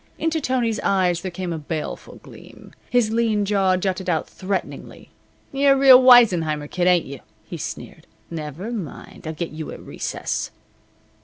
Into Tony's eyes there came a baleful gleam. His lean jaw jutted out threateningly. "You're the real Weissenheimer kid, ain't you?" he sneered. "Never mind. I'll get you at recess."